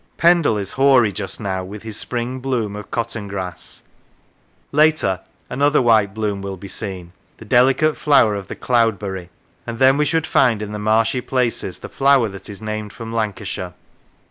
Pendle is hoary just now with his spring bloom of cotton grass; later, another white bloom will be seen, the delicate flower of the cloud berry; and then we should find in the marshy places the flower that is named from Lancashire.